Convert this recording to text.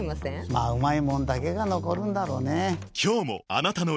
まぁうまいもんだけが残るんだろうねぇ。